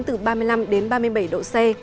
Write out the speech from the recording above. từ ba mươi năm ba mươi bảy độ c